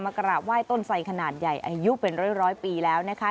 กราบไหว้ต้นไฟขนาดใหญ่อายุเป็นร้อยปีแล้วนะคะ